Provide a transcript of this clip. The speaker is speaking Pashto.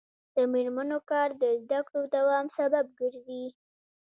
د میرمنو کار د زدکړو دوام سبب ګرځي.